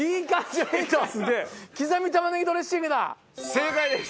正解です。